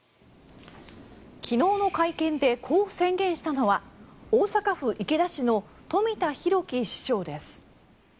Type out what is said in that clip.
昨日の会見でこう宣言したのは大阪府池田市の冨田裕樹市長です。